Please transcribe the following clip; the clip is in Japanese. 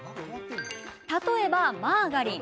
例えば、マーガリン。